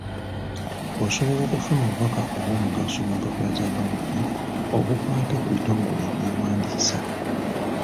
Osobola okufuna obubaka obw'omugaso mu mpapula z'amawulire obukwata ku bitongole eby'ewandiisa.